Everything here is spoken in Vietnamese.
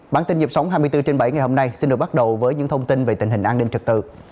bản tin nhịp sống hai mươi bốn trên bảy ngày hôm nay xin được bắt đầu với những thông tin về tình hình an ninh trật tự